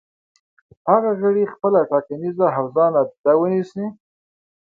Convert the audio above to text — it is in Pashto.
هغه غړي خپله ټاکنیزه حوزه نادیده ونیسي.